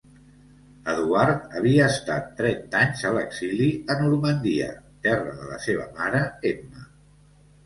Eduard havia estat trenta anys a l'exili a Normandia, terra de la seva mare Emma.